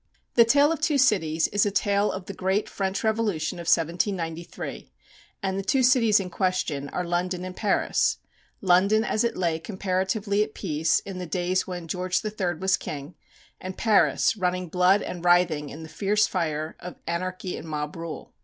"The Tale of Two Cities" is a tale of the great French Revolution of 1793, and the two cities in question are London and Paris, London as it lay comparatively at peace in the days when George III. was king, and Paris running blood and writhing in the fierce fire of anarchy and mob rule.